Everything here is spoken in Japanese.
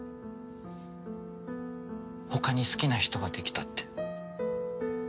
他に好きな人ができたって。